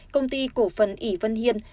công ty cổ phần ỉ vân hiên